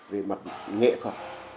về mặt nghệ thuật